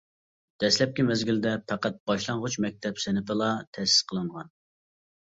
دەسلەپكى مەزگىلدە پەقەت باشلانغۇچ مەكتەپ سىنىپىلا تەسىس قىلىنغان.